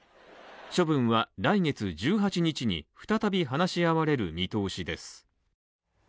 処分は来月１８日に再び、話し合われる見通しです。